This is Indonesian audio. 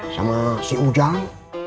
sama si ujang